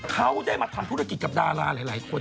เขาได้มาทำธุรกิจกับดาราหลายคน